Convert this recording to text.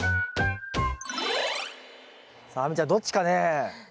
さあ亜美ちゃんどっちかね？